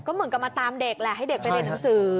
เหมือนกับมาตามเด็กแหละให้เด็กไปเรียนหนังสือ